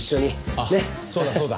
あっそうだそうだ。